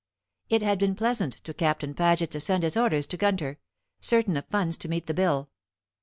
It had been pleasant to Captain Paget to send his orders to Gunter, certain of funds to meet the bill.